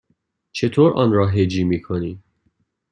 چطور آن را هجی می کنی؟